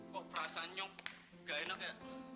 kok perasaan nyok gak enak ya